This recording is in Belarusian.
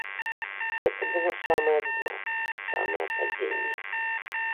Гэта было самае дно, самае падзенне.